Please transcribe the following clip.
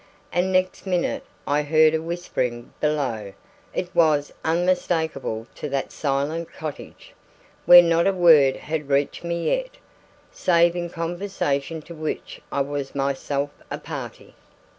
And next minute I heard a whispering below; it was unmistakable in that silent cottage, where not a word had reached me yet, save in conversation to which I was myself a party.